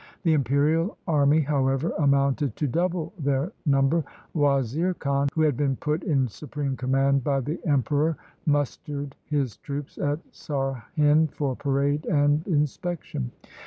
The imperial army, however, amounted to double their number. Wazir Khan, who had been put in supreme command by the Emperor, mustered his troops at Sarhind for parade and inspection.